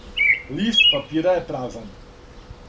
Лист папира је празан.